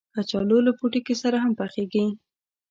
کچالو له پوټکي سره هم پخېږي